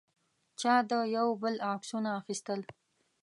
چا د یو بل عکسونه اخیستل.